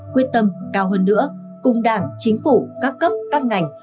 quyết tâm cao hơn nữa cùng đảng chính phủ các cấp các ngành